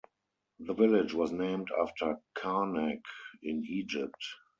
The village was named after Karnak, in Egypt.